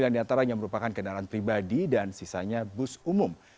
satu ratus dua puluh sembilan diantaranya merupakan kendaraan pribadi dan sisanya bus umum